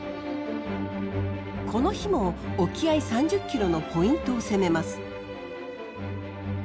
この日も沖合３０ｋｍのポイントを攻めます。